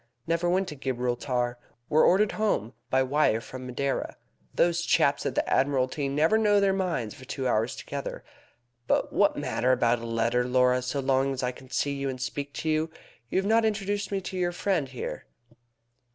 "Never went to Gibraltar. Were ordered home by wire from Madeira. Those chaps at the Admiralty never know their own minds for two hours together. But what matter about a letter, Laura, so long as I can see you and speak with you? You have not introduced me to your friend here."